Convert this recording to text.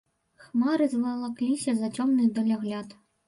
Хмары звалакліся за цёмны далягляд.